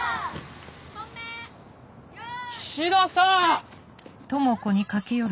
菱田さん！